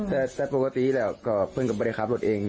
แต่ปกติแล้วก็เพื่อนก็ไม่ได้ขับรถเอง